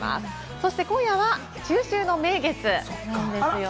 そして今夜は中秋の名月なんですよね。